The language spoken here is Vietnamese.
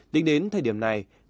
đến đến thời điểm này